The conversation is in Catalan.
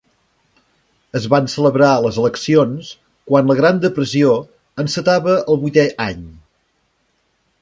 Es van celebrar les eleccions quan la Gran Depressió encetava el vuitè any.